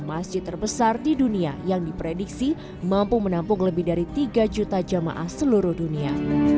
masjid terbesar di dunia yang diprediksi mampu menampung lebih dari tiga juta jamaah seluruh dunia